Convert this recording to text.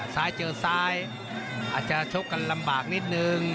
ซ้ายเจอซ้ายอาจจะชกกันลำบากนิดนึง